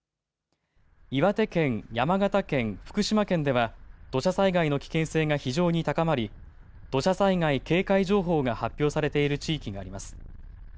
岩手県、山形県、福島県では土砂災害の危険性が非常に高まり土砂災害警戒情報が発表されている地域があります。